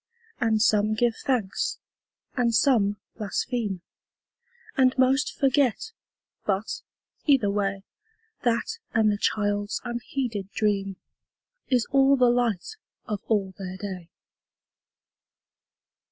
And give some thanks, and some blaspheme, And most forget, but, either way, That and the child's unheeded dream Is all the light of all their day.